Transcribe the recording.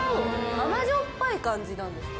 甘じょっぱい感じなんですか？